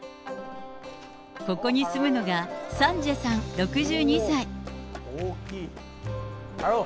ここに住むのがサンジェさん６２歳。